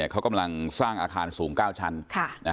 เขากำลังสร้างอาคารสูง๙ชั้น